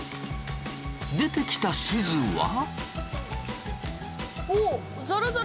出てきたすずは。